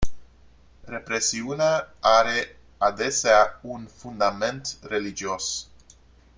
Represiunea are adesea un fundament religios.